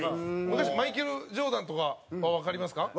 マイケル・ジョーダンとかはわかりますか？